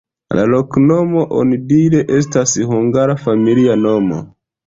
La loknomo onidire estas hungara familia nomo.